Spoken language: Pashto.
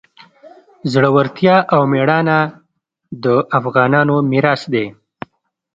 زړورتیا او میړانه د افغانانو میراث دی.